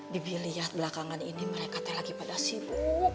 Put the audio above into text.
bibi liat belakangan ini mereka terlagi pada sibuk